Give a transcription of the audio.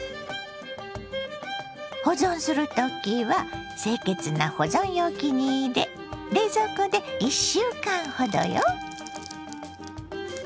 保存する時は清潔な保存容器に入れ冷蔵庫で１週間ほどよ。